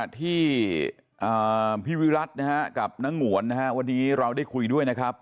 ขณะที่พี่วิรัตร์กับนางหวนวันนี้เราได้คุยด้วยนะครับ